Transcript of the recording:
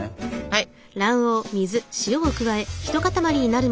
はい。